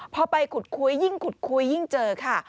พอไปขุดคุยยิ่งขุดคุยยิ่งเจอค่ะ